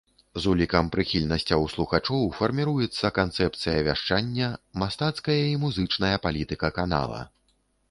З улікам прыхільнасцяў слухачоў фарміруецца канцэпцыя вяшчання, мастацкая і музычная палітыка канала.